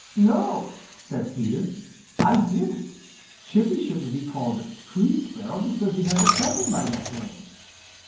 "No," said Peter, "I didn't. Chippy shouldn't be called Tree Sparrow, because he has a cousin by that name."